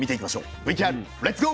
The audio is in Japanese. ＶＴＲレッツゴー！